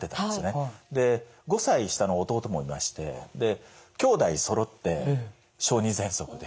で５歳下の弟もいまして兄弟そろって小児ぜんそくで。